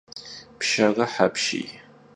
Pşşerıh apşiy!